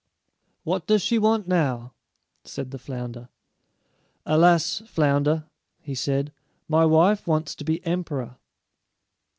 "What does she want now?" said the flounder. "Alas, flounder," he said, "my wife wants to be emperor."